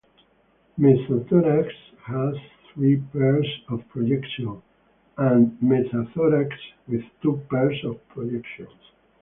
Mesothorax has three pairs of projections ad metathorax with two pairs of projections.